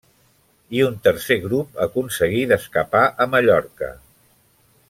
I un tercer grup aconseguí d'escapar a Mallorca.